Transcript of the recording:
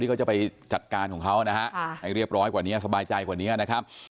เขาจะไปจัดการของเขานะฮะให้เรียบร้อยกว่านี้สบายใจกว่านี้นะครับ